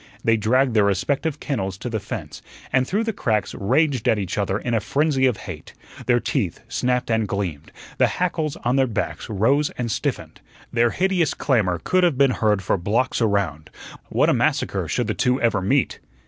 They dragged their respective kennels to the fence, and through the cracks raged at each other in a frenzy of hate; their teeth snapped and gleamed; the hackles on their backs rose and stiffened. Their hideous clamor could have been heard for blocks around. What a massacre should the two ever meet!